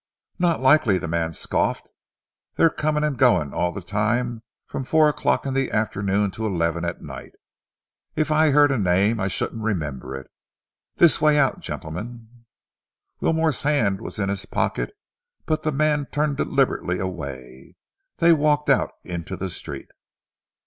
"Not likely!" the man scoffed. "They're comin' and goin' all the time from four o'clock in the afternoon till eleven at night. If I heard a name I shouldn't remember it. This way out, gentlemen." Wilmore's hand was in his pocket but the man turned deliberately away. They walked out into the street.